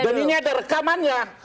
dan ini ada rekamannya